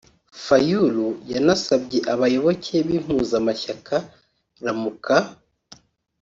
Fayulu yanasabye abayoboke b’impuzamashyaka Lamuka